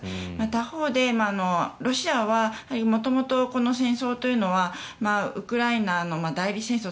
他方でロシアは元々、この戦争というのはウクライナの代理戦争